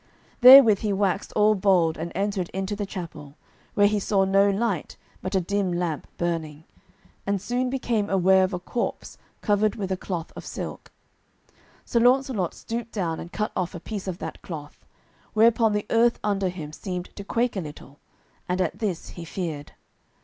Therewith he waxed all bold and entered into the chapel, where he saw no light but a dim lamp burning, and soon became aware of a corpse covered with a cloth of silk. Sir Launcelot stooped down and cut off a piece of that cloth, whereupon the earth under him seemed to quake a little, and at this he feared.